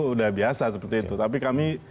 udah biasa seperti itu tapi kami